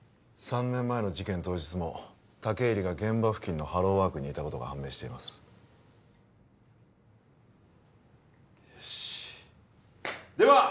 ３年前の事件当日も武入が現場付近のハローワークにいたことが判明していますよしでは！